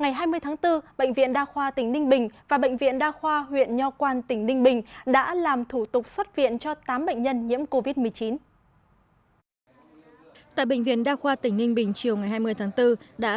ngày hai mươi tháng bốn bệnh viện đa khoa tỉnh ninh bình và bệnh viện đa khoa huyện nho quang tỉnh ninh bình